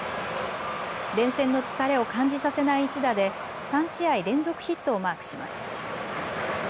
連戦の疲れを感じさせない一打で３試合連続ヒットをマークします。